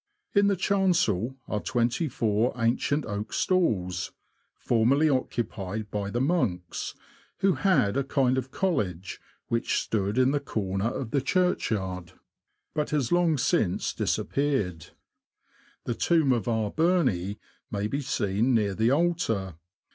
In the chancel are twenty four ancient oak stalls, formerly occupied by the monks, who had a kind of college, w'hich stood in the corner of the churchyard, but has long since A RAMBLE THROUGH NORWICH. 79 disappeared. The tomb of R. Berney may be seen near the altar.